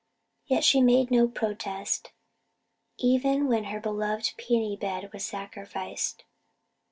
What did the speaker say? Yet she made no protest, even when her beloved peony bed was sacrificed.